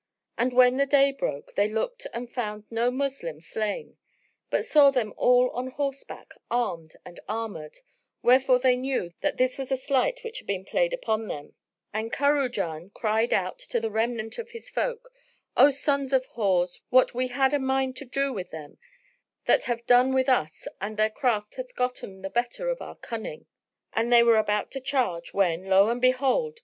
And when the day broke, they looked and found no Moslem slain, but saw them all on horseback, armed and armoured; wherefore they knew that this was a sleight which had been played upon them, and Kurajan cried out to the remnant of his folk, "O sons of whores, what we had a mind to do with them, that have they done with us and their craft hath gotten the better of our cunning." And they were about to charge when, lo and behold!